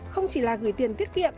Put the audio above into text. không chỉ là gửi tiền tiết kiệm